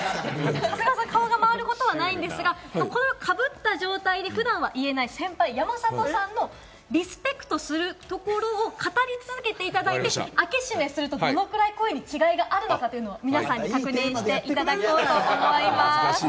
長谷川さんの顔が回ることはないんですが、かぶった状態で普段言えない先輩、山里さんのリスペクトするところを語り続けていただいて、開け閉めすると、どれぐらい声に違いがあるのか、というのを皆さんに確認していただこうと思います。